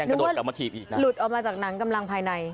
นึกว่าหลุดออกมาจากหนังกำลังภายใน